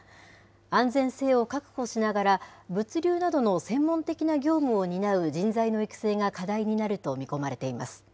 安全性を確保しながら、物流などの専門的な業務を担う人材の育成が課題になると見込まれています。